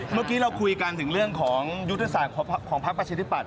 เมื่อกี้เราคุยกันถึงเรื่องของยุทธศาสตร์ของพักประชาธิปัต